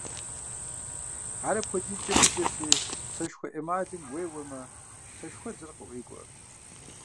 Ар апхуэдизкӀэ быдэщи, сэшхуэкӀэ эмалым уеуэмэ, сэшхуэдзэр къыӀуегуэ.